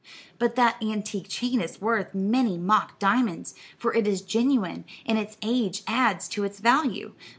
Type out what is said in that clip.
"But that antique chain is worth many mock diamonds; for it is genuine, and its age adds to its value.